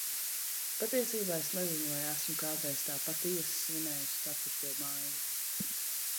Patiesībā es nezinu, vai esmu kādreiz tā patiesi svinējusi ceturto maiju.